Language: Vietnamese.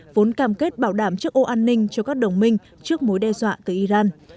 vốn cam kết bảo đảm trước ô an ninh cho các đồng minh trước mối đe dọa từ iran